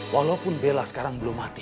walaupun bella sekarang berada di rumah ini